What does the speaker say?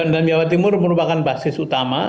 dan jawa timur merupakan basis utama